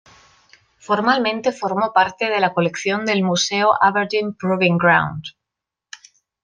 Formalmente formó parte de la colección del Museo de Aberdeen Proving Ground.